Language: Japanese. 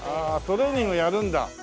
トレーニングやるんだ。